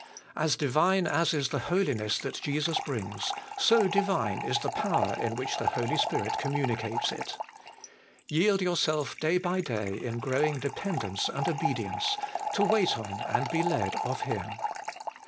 As Divine as is the holiness that Jesus brings, so Divine is the power in which the Holy Spirit communicates it. Yield yourself day by day in growing dependence and obedience, to wait on and be led of Him.